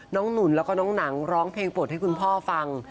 หนุนแล้วก็น้องหนังร้องเพลงปลดให้คุณพ่อฟัง